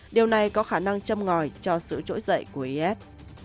điều này có khả năng châm ngòi cho sự trỗi dậy của is